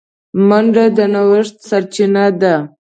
منډه د نوښت سرچینه ده